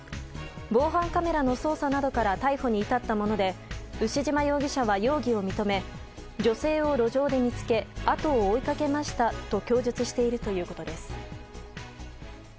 防犯カメラの捜査などから逮捕に至ったもので牛島容疑者は容疑を認め女性を路上で見つけあとを追いかけましたと供述しているということです。